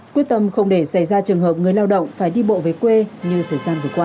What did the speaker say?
quyết tâm không để xảy ra trường hợp người lao động phải đi bộ về quê như thời gian vừa qua